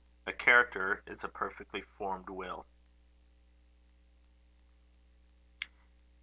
A character is a perfectly formed will.